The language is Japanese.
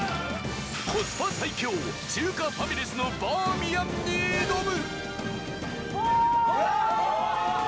コスパ最強中華ファミレスのバーミヤンに挑む！